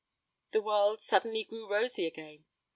The world suddenly grew rosy again.